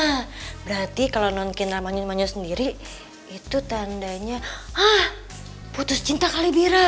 hah berarti kalau non kinder manis manis sendiri itu tandanya hah putus cinta kali bira